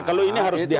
kalau ini harus